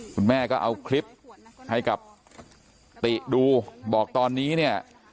คุณแม่ก็เอาคลิปให้กับติดูบอกตอนนี้เนี่ย